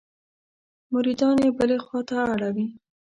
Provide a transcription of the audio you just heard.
مریدان یې بلې خوا ته اړوي.